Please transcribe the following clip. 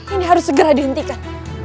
ini harus segera dihentikan